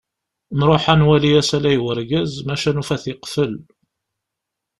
Nruḥ ad nwali asalay n urgaz, maca nufa-t yeqfel.